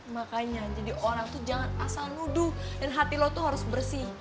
makanya jadi orang tuh jangan asal nuduh dan hati lo tuh harus bersih